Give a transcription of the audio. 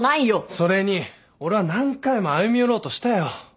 それに俺は何回も歩み寄ろうとしたよ。